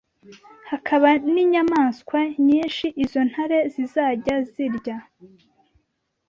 hakaba n’inyamaswa nyinshi izo ntare zizajya zirya